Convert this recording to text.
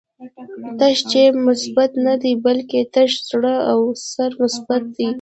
تش جېب مصیبت نه دی، بلکی تش زړه او سر مصیبت دی